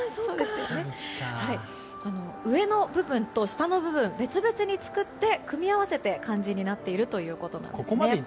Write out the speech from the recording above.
上の部分と下の部分別々に作って、組み合わせて漢字になっているということです。